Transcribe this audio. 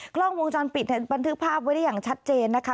กล้องวงจรปิดบันทึกภาพไว้ได้อย่างชัดเจนนะคะ